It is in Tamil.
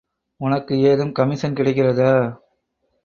ஒனக்கு ஏதும் கமிஷன் கிடைக்குறதா?